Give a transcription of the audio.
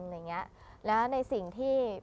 อย่างเงี้ยแล้วในสิ่งที่